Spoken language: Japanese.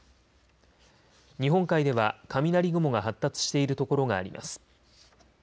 日本海では雷雲が発達しているところがあります。